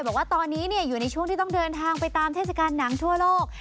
บอกว่าตอนนี้อยู่ในช่วงที่ต้องเดินทางไปตามเทศกาลหนังทั่วโลก